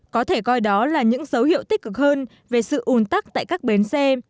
có thể coi đó là những dấu hiệu tích cực hơn về sự ùn tắc tại các bến xe